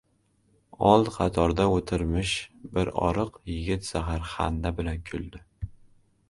Old qatorda o‘tirmish bir oriq yigit zaharxanda bilan kuldi.